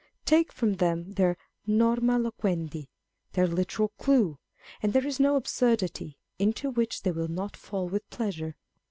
Take from them their norma loquendi, their literal clue, and there is no absurdity into which they will not fall with pleasure.